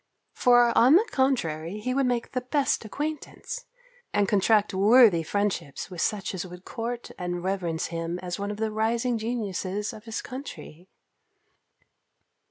For, on the contrary, he would make the best acquaintance, and contract worthy friendships with such as would court and reverence him as one of the rising geniuses of his country.